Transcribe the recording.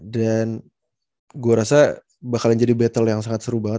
dan gue rasa bakalan jadi battle yang sangat seru banget